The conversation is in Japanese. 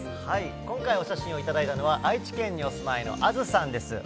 今回、お写真を頂いたのは、愛知県にお住まいのあづさんです。